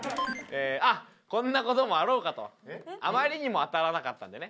あっこんな事もあろうかとあまりにも当たらなかったんでね